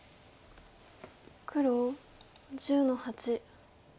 黒１０の八。